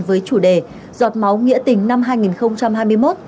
với chủ đề giọt máu nghĩa tình năm hai nghìn hai mươi một